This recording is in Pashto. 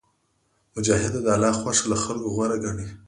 مجاهد د الله خوښه له خلکو غوره ګڼي.